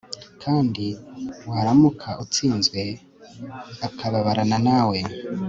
kandi, waramuka utsinzwe, akababarana nawe